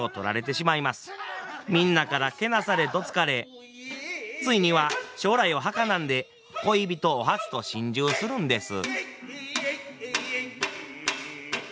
みんなからけなされどつかれついには将来をはかなんで恋人お初と心中するんです。